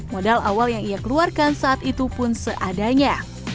modal awal yang ia keluarkan saat itu pun seadanya